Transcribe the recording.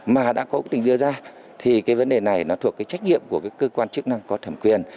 mà đã có ưu tình đưa ra thì cái vấn đề này nó thuộc cái trách nhiệm của cơ quan chức năng có thẩm quyền